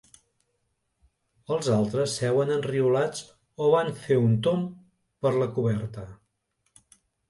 Els altres seuen enriolats o van a fer un tomb per la coberta.